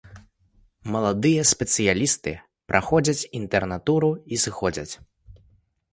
Маладыя спецыялісты праходзяць інтэрнатуру і сыходзяць.